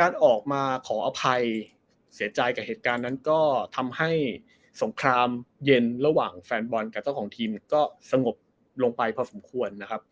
การออกมาขออภัยเสียใจกับเหตุการณ์นั้นก็ทำให้สงครามเย็นระหว่างแฟนบอลกับเจ้าของทีมก็สงบลงไปพอสมควรนะครับ